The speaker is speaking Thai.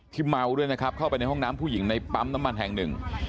เมาด้วยนะครับเข้าไปในห้องน้ำผู้หญิงในปั๊มน้ำมันแห่งหนึ่ง